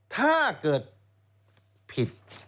ถ้าเกิดผิด